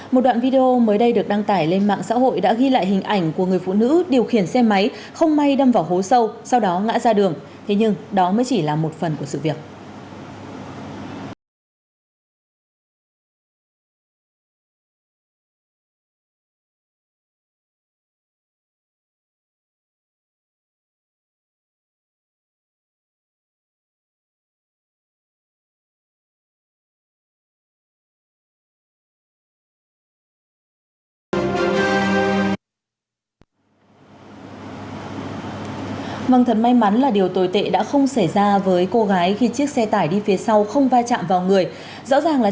một đoạn video mới đây được đăng tải lên mạng xã hội đã ghi lại hình ảnh của người phụ nữ điều khiển xe máy không may đâm vào hố sâu sau đó ngã ra đường